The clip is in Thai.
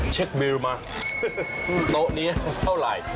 เช็คบิลมาโต๊ะนี้เท่าไหร่